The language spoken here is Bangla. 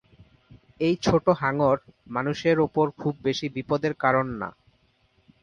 এই ছোট হাঙ্গর মানুষের উপর খুব বেশি বিপদের কারণ না।